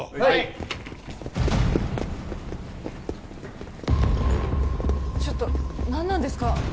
はいちょっと何なんですか？